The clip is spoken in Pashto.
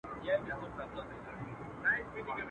څوک پاچا وي، څوک مُلا وي، څوک کلال دی.